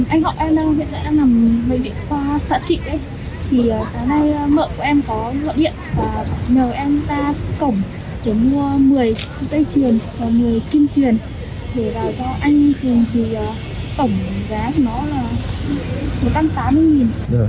anh họ em hiện tại đang nằm bệnh viện khoa sở trị đấy